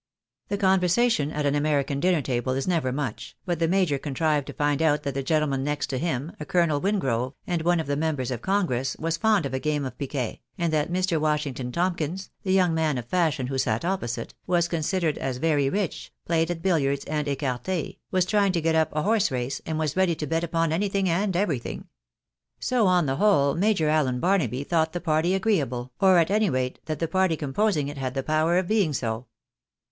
The conversation at an American dinner table is never much, but the major contrived to find out that the gentleman next to him, a Colonel Wingrove, and one of the members of congress, was fond of a game of piquet, and that !Mr. Washington Tomkins, the young man of fashion who sat opposite, was considered as very rich, played at billiards and ecarte, was trying to get up a horse race, and was ready to bet upon anything and everything. So, on the whole, Major Allen Barnaby thought the party agreeable, or a1> any rate that the party composing it had the power of being so.